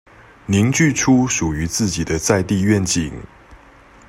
凝聚出屬於自己的在地願景